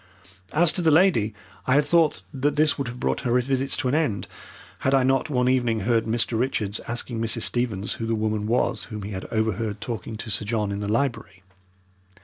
As to the lady, I had thought that this would have brought her visits to an end, had I not one evening heard Mr. Richards asking Mrs. Stevens who the woman was whom he had overheard talking to Sir John in the library.